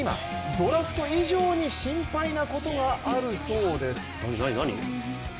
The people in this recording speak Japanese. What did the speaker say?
ちなみに今、ドラフト以上に心配なことがあるそうです。